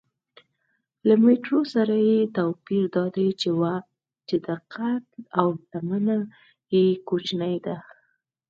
له مترونو سره یې توپیر دا دی چې دقت او لمنه یې کوچنۍ ده.